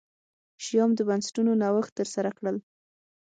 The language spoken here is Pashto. شیام د بنسټونو نوښت ترسره کړل.